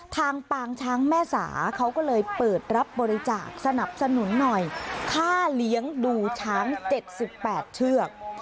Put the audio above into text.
ปางช้างแม่สาเขาก็เลยเปิดรับบริจาคสนับสนุนหน่อยค่าเลี้ยงดูช้าง๗๘เชือก